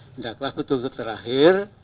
tidaklah berduduk terakhir